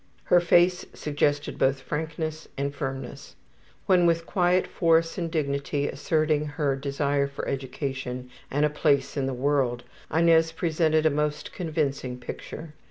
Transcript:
Her face suggested both frankness and firmness. When with quiet force and dignity asserting her desire for education and a place in the world, Inez presented a most convincing picture.